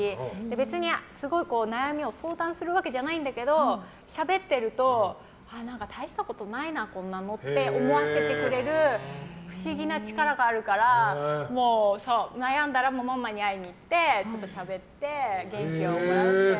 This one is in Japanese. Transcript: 別にすごい悩みを相談するわけじゃないんだけどしゃべってると大したことないな、こんなのって思わせてくれる不思議な力があるから悩んだらママに会いに行ってちょっとしゃべって元気をもらって。